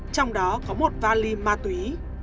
trong đó có một vali ma túy